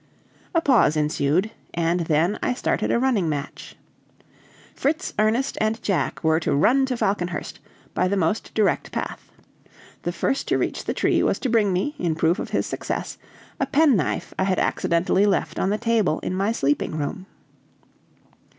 A pause ensued, and then I started a running match. Fritz, Ernest, and Jack were to run to Falconhurst, by the most direct path. The first to reach the tree was to bring me, in proof of his success, a penknife I had accidentally left on the table in my sleeping room.